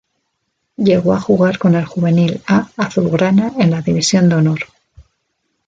Llegó a jugar con el Juvenil A azulgrana en la División de Honor.